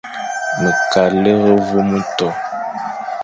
Ma kʼa lera vôm éto.